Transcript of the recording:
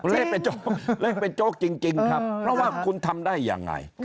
เลขเป็นโจ๊กเล่นเป็นโจ๊กจริงครับเพราะว่าคุณทำได้ยังไง